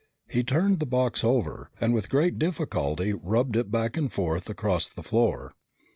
He turned the box over, and with great difficulty, rubbed it back and forth across the floor.